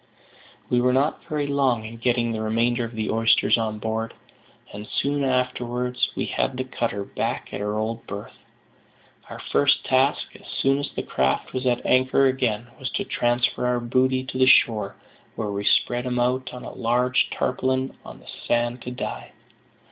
We were not very long in getting the remainder of the oysters on board, and soon afterwards we had the cutter back at her old berth. Our first task, as soon as the craft was at anchor again, was to transfer our booty to the shore, where we spread them out on a large tarpaulin on the sand to die.